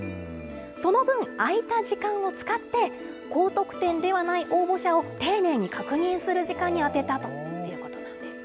その分、空いた時間を使って、高得点ではない応募者を丁寧に確認する時間に充てたということなんです。